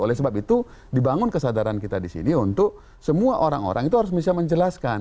oleh sebab itu dibangun kesadaran kita di sini untuk semua orang orang itu harus bisa menjelaskan